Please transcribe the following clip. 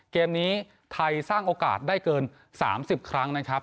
เกมนี้ไทยสร้างโอกาสได้เกิน๓๐ครั้งนะครับ